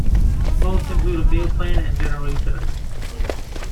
Most include a meal plan and general utilities.